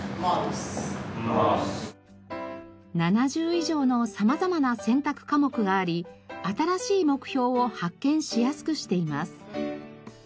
７０以上の様々な選択科目があり新しい目標を発見しやすくしています。